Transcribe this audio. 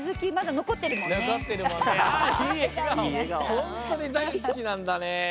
ホントに大好きなんだね。